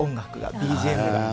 ＢＧＭが。